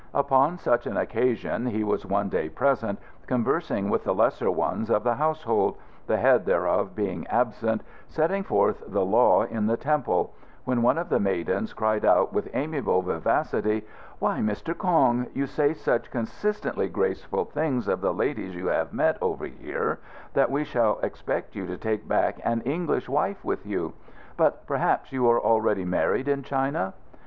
Upon such an occasion he was one day present, conversing with the lesser ones of the household the head thereof being absent, setting forth the Law in the Temple when one of the maidens cried out with amiable vivacity, "Why, Mr. Kong, you say such consistently graceful things of the ladies you have met over here, that we shall expect you to take back an English wife with you. But perhaps you are already married in China?"